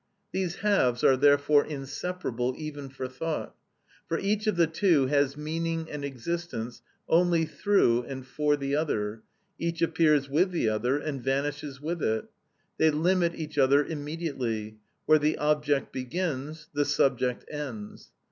These halves are therefore inseparable even for thought, for each of the two has meaning and existence only through and for the other, each appears with the other and vanishes with it. They limit each other immediately; where the object begins the subject ends.